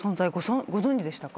ご存じでしたか？